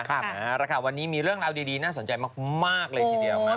ค่ะแล้วค่ะวันนี้มีเรื่องราวดีน่าสนใจมากเลยทีเดียว